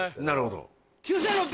なるほど。